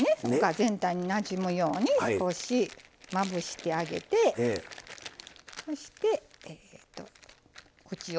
全体になじむように少しまぶしてあげてそして口を。